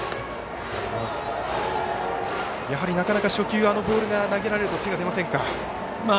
やはりなかなか初球あのボール投げられると手が出ませんか。